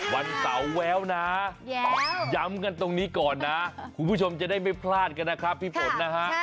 วันเสาร์แววนะย้ำกันตรงนี้ก่อนนะคุณผู้ชมจะได้ไม่พลาดกันนะครับพี่ฝนนะฮะ